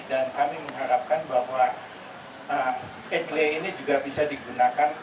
dan kami mengharapkan bahwa e tiga ini juga bisa digunakan